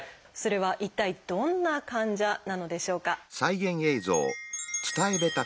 それは一体どんな患者なのでしょうか？